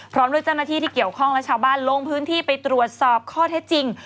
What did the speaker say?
พร้อมด้วยเจ้าหน้าที่ที่เกี่ยวข้องและชาวบ้านลงพื้นที่ไปตรวจสอบข้อเท็จจริง